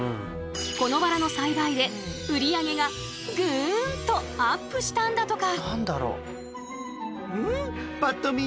このバラの栽培で売り上げがグンとアップしたんだとか。